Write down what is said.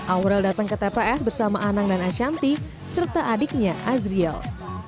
aurel datang ke tps bersama anang dan ashanti serta adiknya azrial